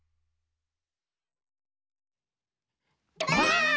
ばあっ！